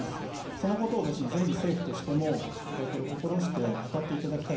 そのことをぜひ政府としても、これ、心して当たっていただきたい